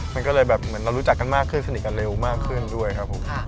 มันก็เลยแบบเหมือนเรารู้จักกันมากขึ้นสนิทกันเร็วมากขึ้นด้วยครับผม